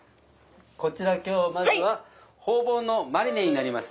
こちら今日まずはホウボウのマリネになります。